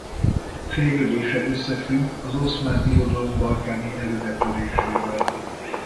Fejlődése összefügg az Oszmán Birodalom balkáni előretörésével.